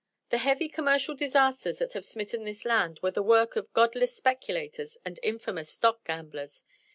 The heavy commercial disasters that have smitten this land were the work of godless speculators and infamous stock gamblers.